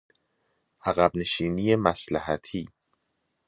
عقب نشینی مصلحتی